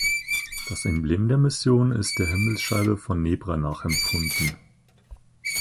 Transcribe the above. Das Emblem der Mission ist der Himmelsscheibe von Nebra nachempfunden.